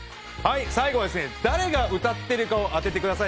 最後は、誰が歌ってるかを当ててください。